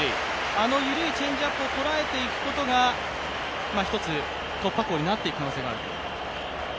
あの緩いチェンジアップを捉えていくことがひとつ突破口になっていく可能性があると。